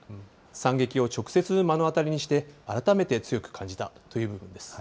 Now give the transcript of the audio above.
惨劇を直接目の当たりにして、改めて強く感じたという部分です。